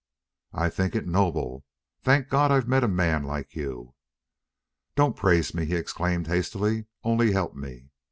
"I think it noble.... Thank God I've met a man like you!" "Don't praise me!" he exclaimed, hastily. "Only help me....